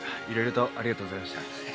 いろいろとありがとうございました。